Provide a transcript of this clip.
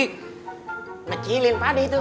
ngecilin pak d itu